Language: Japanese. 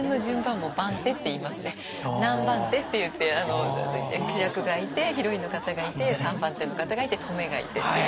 確かに何番手っていって主役がいてヒロインの方がいて３番手の方がいてトメがいてっていう。